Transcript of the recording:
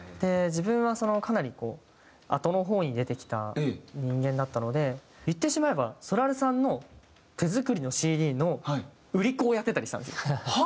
自分はかなりあとの方に出てきた人間だったので言ってしまえばそらるさんの手作りのＣＤの売り子をやってたりしたんですよ。